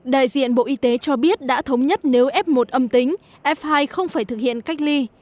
đại diện bộ y tế cho biết đã thống nhất nếu f một âm tính f hai không phải thực hiện cách ly